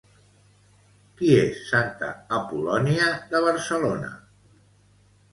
Qui és Santa Apol·lònia de Barcelona?